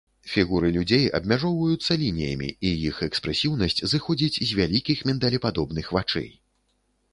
Фігуры людзей абмяжоўваюцца лініямі і іх экспрэсіўнасць зыходзіць з вялікіх міндалепадобных вачэй.